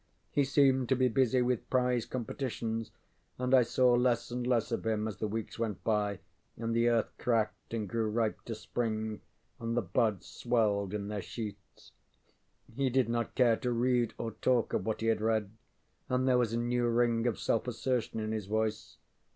He seemed to be busy with prize competitions, and I saw less and less of him as the weeks went by and the earth cracked and grew ripe to spring, and the buds swelled in their sheaths. He did not care to read or talk of what he had read, and there was a new ring of self assertion in his voice.